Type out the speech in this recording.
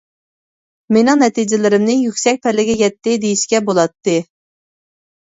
مېنىڭ نەتىجىلىرىمنى يۈكسەك پەللىگە يەتتى دېيىشكە بولاتتى.